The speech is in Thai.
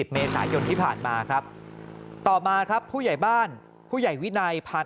เมษายนที่ผ่านมาครับต่อมาครับผู้ใหญ่บ้านผู้ใหญ่วินัยพันธ์